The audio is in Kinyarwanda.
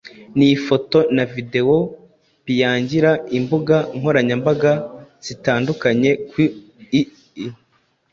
ni ifoto na videwo biangira imbuga nkoranyambaga zitandukanye ku ii